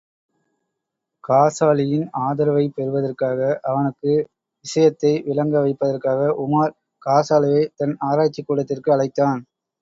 காசாலியின் ஆதரவைப் பெறுவதற்காக அவனுக்கு விஷயத்தை விளங்க வைப்பதற்காக உமார் காசாலியை தன் ஆராய்ச்சிக் கூடத்திற்கு அழைத்தான்.